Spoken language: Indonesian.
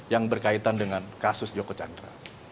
yang berkaitan dengan kasus joko chandra